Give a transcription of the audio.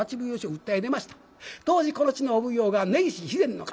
当時この地のお奉行が根岸肥前守。